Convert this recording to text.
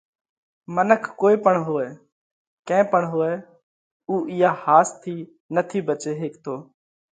منک ڪوئي پڻ هوئہ، ڪئين پڻ هوئہ اُو اِيئا ۿاس ٿِي نٿِي ڀچي هيڪتو۔